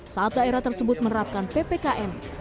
saat daerah tersebut menerapkan ppkm